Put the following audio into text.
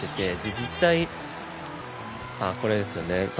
実際これですよね。